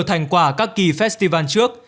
thành quả các kỳ festival trước